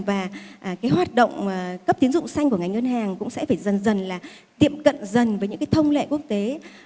và hoạt động cấp tín dụng xanh của ngành ngân hàng cũng sẽ phải dần dần tiệm cận dần với những thông lệ quốc tế